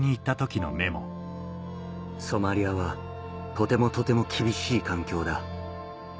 「ソマリアはとてもとても厳しい環境だ」